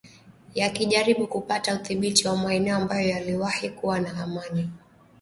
yakijaribu kupata udhibiti wa maeneo ambayo yaliwahi kuwa na amani